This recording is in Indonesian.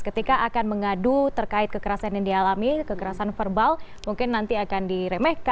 ketika akan mengadu terkait kekerasan yang dialami kekerasan verbal mungkin nanti akan diremehkan